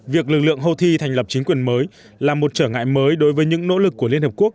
việc lực lượng houthi thành lập chính quyền mới là một trở ngại mới đối với những nỗ lực của liên hợp quốc